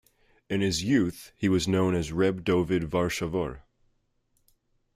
In his youth, he was known as "Reb Dovid Warshawer".